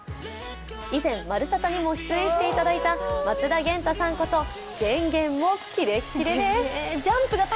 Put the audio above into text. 以前、「まるサタ」にも出演していただいた松田元太さんこと、げんげんもキレッキレです。